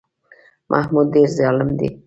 محمود ډېر ظالم دی.